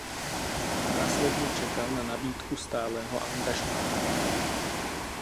Následně čekal na nabídku stálého angažmá.